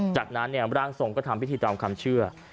จากนั้นร่างทรงก็ทำพิธีตามความเชื่อ